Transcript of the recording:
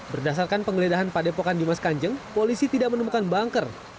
berdasarkan penggeledahan padepokan dimas kanjeng polisi tidak menemukan banker